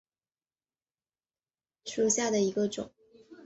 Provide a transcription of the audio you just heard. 甘肃假钻毛蕨为骨碎补科假钻毛蕨属下的一个种。